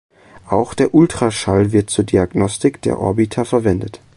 Auch der Ultraschall wird zur Diagnostik der Orbita verwendet.